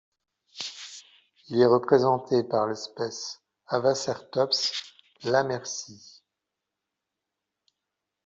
Il est représenté par l'espèce Avaceratops lammersi.